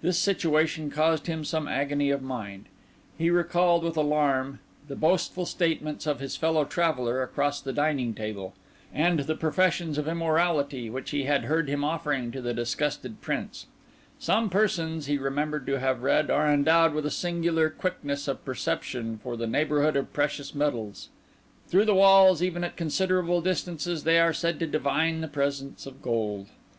This situation caused him some agony of mind. He recalled with alarm the boastful statements of his fellow traveller across the dining table, and the professions of immorality which he had heard him offering to the disgusted Prince. Some persons, he remembered to have read, are endowed with a singular quickness of perception for the neighbourhood of precious metals; through walls and even at considerable distances they are said to divine the presence of gold.